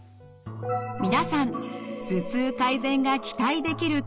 皆さん頭痛改善が期待できるツボ押し